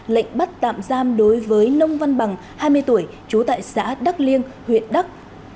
lệnh bắt tạm giam đối với nông văn bằng hai mươi tuổi chú tại xã đắk liêng huyện đắk